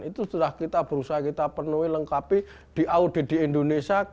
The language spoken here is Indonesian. itu setelah kita berusaha kita penuhi lengkapi di audit di indonesia